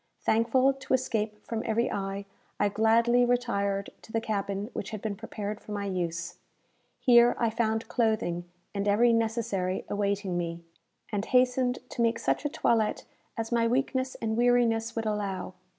Thankful to escape from every eye, I gladly retired to the cabin which had been prepared for my use. Here I found clothing and every necessary awaiting me, and hastened to make such a toilette as my weakness and weariness would allow.